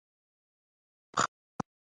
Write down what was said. بزګر ته هره خاوره خزانه ښکاري